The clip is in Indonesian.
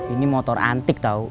ini motor antik tau